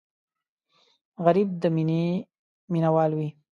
غریب د مینې مینهوال وي